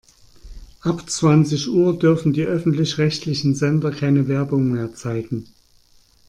Ab zwanzig Uhr dürfen die öffentlich-rechtlichen Sender keine Werbung mehr zeigen.